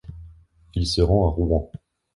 Il se rend à Rouen.